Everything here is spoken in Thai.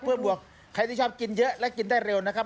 เพื่อบวกใครที่ชอบกินเยอะและกินได้เร็วนะครับ